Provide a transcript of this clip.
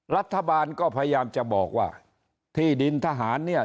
รัฐบาลก็พยายามจะบอกว่าที่ดินทหารเนี่ย